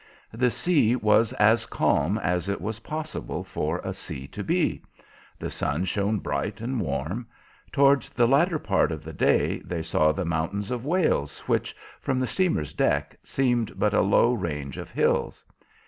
The sea was as calm as it was possible for a sea to be. The sun shone bright and warm. Towards the latter part of the day they saw the mountains of Wales, which, from the steamer's deck, seemed but a low range of hills.